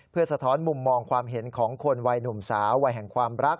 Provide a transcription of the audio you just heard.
เพื่อสะท้อนมุมมองความเห็นของคนวัยหนุ่มสาววัยแห่งความรัก